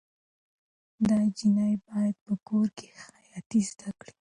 دا نجلۍ باید په کور کې خیاطي زده کړي.